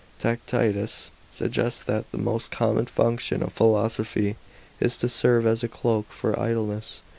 Tacitus suggests that the most common function of philosophy is to serve as a cloak for idleness